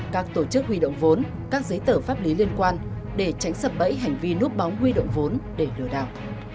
các tổ chức huy động vốn các giấy tờ pháp lý liên quan để tránh sập bẫy hành vi núp bóng huy động vốn để lừa đảo